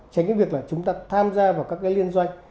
tránh cái việc là chúng ta tham gia vào các cái liên doanh